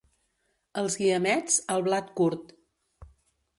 Als Guiamets, el blat curt.